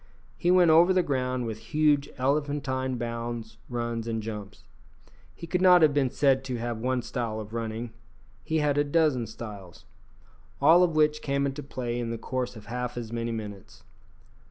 He went over the ground with huge elephantine bounds, runs, and jumps. He could not have been said to have one style of running; he had a dozen styles, all of which came into play in the course of half as many minutes.